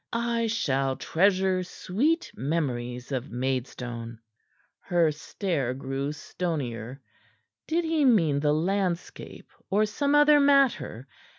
"I shall treasure sweet memories of Maidstone." Her stare grew stonier. Did he mean the landscape or some other matter?